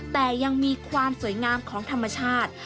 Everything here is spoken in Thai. แต่ยังมีความสวยงามของธรรมชาติ